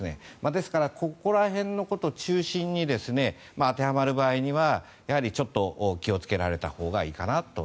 ですから、ここら辺のこと中心に当てはまる場合はちょっと気をつけられたほうがいいかなと。